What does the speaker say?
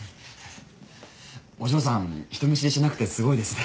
お嬢さん人見知りしなくてすごいですね。